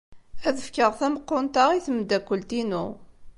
Ad fkeɣ tameqqunt-a i tmeddakelt-inu.